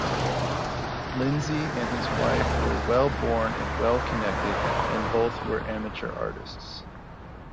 Lindsay and his wife were well-born and well-connected, and both were amateur artists.